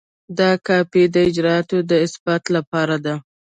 دا کاپي د اجرااتو د اثبات لپاره ده.